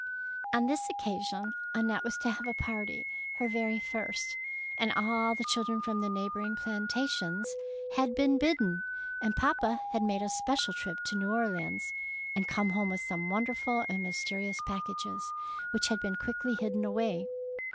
On this occasion Annette was to have a party, her very flrst, and all the chil dren from the neighbouring plantations had been bidden ; and papa had made a special trip to New Orleans and come home with some wonderful and myste rious packages, which had been quickly hidden away.